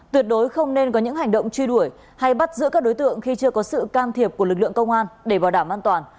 tuyệt đối không nên có những hành động truy đuổi hay bắt giữ các đối tượng khi chưa có sự can thiệp của lực lượng công an để bảo đảm an toàn